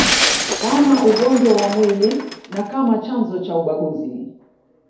kama ugonjwa wa mwili na kama chanzo cha ubaguzi